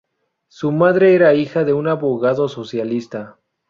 Su madre era hija de un abogado socialista.